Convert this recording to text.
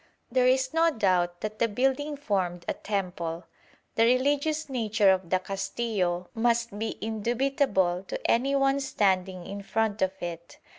There is no doubt that the building formed a temple. The religious nature of the Castillo must be indubitable to any one standing in front of it.